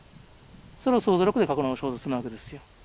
それを想像力で書くのが小説なわけですよ。